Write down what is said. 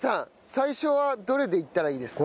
最初はどれでいったらいいですか？